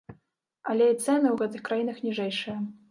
Але і цэны ў гэтых краінах ніжэйшыя.